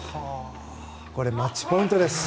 これ、マッチポイントです。